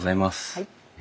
はい。